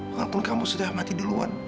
walaupun kamu sudah mati duluan